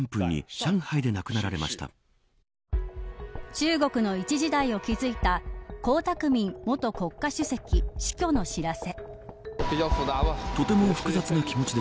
中国の一時代を築いた江沢民元国家主席死去の知らせ。